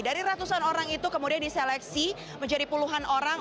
dari ratusan orang itu kemudian diseleksi menjadi puluhan orang